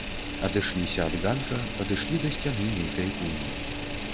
Адышліся ад ганка, падышлі да сцяны нейкай пуні.